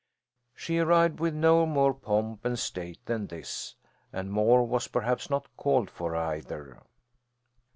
She arrived with no more pomp and state than this, and more was perhaps not called for either.